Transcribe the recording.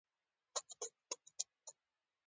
ډيپلومات د ستراتیژیکو اړیکو پل جوړوي.